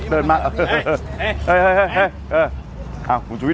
ปรากฏว่าจังหวัดที่ลงจากรถ